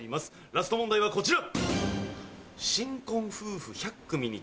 ラスト問題はこちら！